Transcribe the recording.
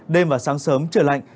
đêm và sáng sớm trở lạnh